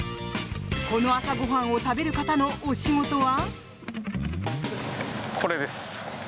この朝ごはんを食べる方のお仕事は？